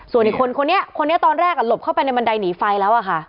ส่วนอีกคนคนนี้คนนี้ตอนแรกหลบเข้าไปในบันไดหนีไฟแล้วอะค่ะ